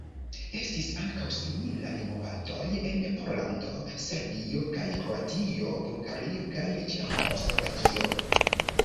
Estis ankaŭ similaj movadoj en Pollando, Serbio kaj Kroatio, Bulgario kaj Ĉeĥoslovakio.